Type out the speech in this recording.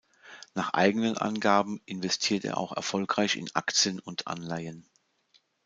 Nach eigenen Angaben investiert er auch erfolgreich in Aktien und Anleihen.